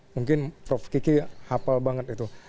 mungkin prof kiki hafal banget itu